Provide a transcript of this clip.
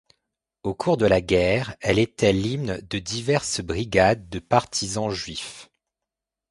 Au cours de la guerre, elle était l'hymne de diverses brigades de partisans juifs.